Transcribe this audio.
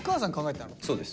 そうです。